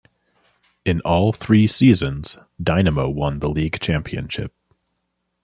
In all three seasons, Dynamo won the league championship.